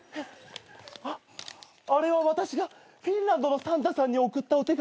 あっあれは私がフィンランドのサンタさんに送ったお手紙。